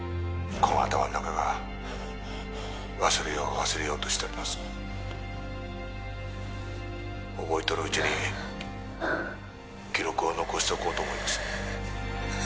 この頭の中が忘れよう忘れようとしとります覚えとるうちに記録を残しとこうと思います